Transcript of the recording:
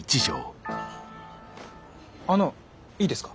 あのいいですか？